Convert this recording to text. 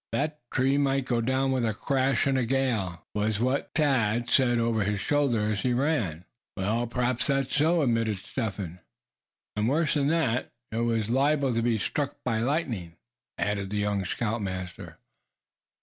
"That tree might go down with a crash in the gale," was what Thad said over his shoulder, as he ran. "Well, p'raps that's so," admitted Step Hen. "And worse than that, it was liable to be struck by lightning," added the young scoutmaster.